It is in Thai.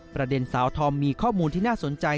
ประเด็นสาวธอมมีข้อมูลที่น่าสนใจ